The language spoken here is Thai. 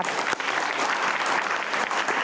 เปลี่ยนตัวเองกันสิเปลี่ยนตัวเองกันสิ